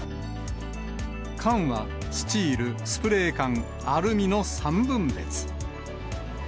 缶はスチール、スプレー缶、アルミの３分別。